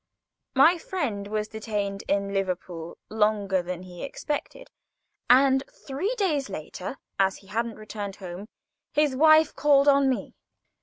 My friend was detained in Liverpool longer than he expected; and, three days later, as he hadn't returned home, his wife called on me.